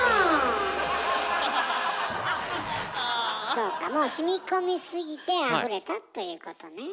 そうかもうしみこみすぎてあふれたということね。